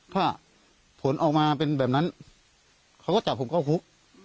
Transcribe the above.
ถ้าผลออกมาเป็นแบบนั้นเขาก็จับผมเข้าคุก